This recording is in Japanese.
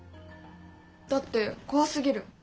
だって怖すぎる。